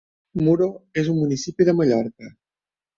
Muro és un municipi de Mallorca.